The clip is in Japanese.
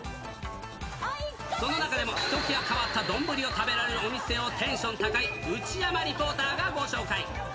その中でも、ひときわ変わった丼を食べられるお店を、テンション高い内山リポーターがご紹介。